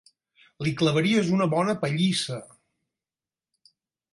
Li clavaries una bona pallissa.